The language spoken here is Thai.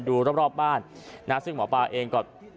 ดูรอบบ้านนะซึ่งหมอปลาเองก็